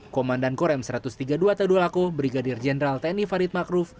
komandan korem satu ratus tiga puluh dua tadulako brigadir jenderal tni farid makruf